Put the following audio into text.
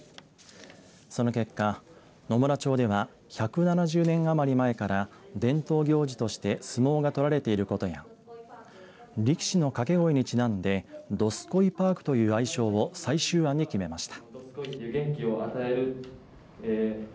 その結果、野村町では１７０年余り前から伝統行事として相撲が取られていることや力士の掛け声にちなんでどすこいパークという愛称を最終案に決めました。